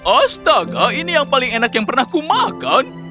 astaga ini yang paling enak yang pernah kumakan